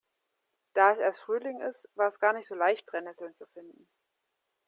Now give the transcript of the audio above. Da es erst Frühling ist, war es gar nicht so leicht, Brennesseln zu finden.